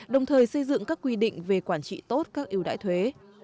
đồng thời xây dựng các quy định về quản trị tốt các ưu đãi thuế